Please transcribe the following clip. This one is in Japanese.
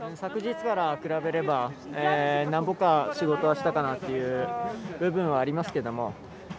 昨日から比べればなんぼか仕事はしたかなという部分はありますけども。